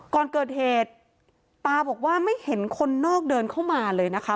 ก่อนเกิดเหตุตาบอกว่าไม่เห็นคนนอกเดินเข้ามาเลยนะคะ